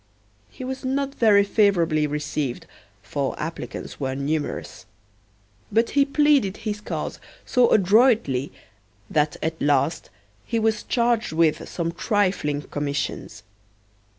He was not very favorably received, for applicants were numerous. But he pleaded his cause so adroitly that at last he was charged with some trifling commissions.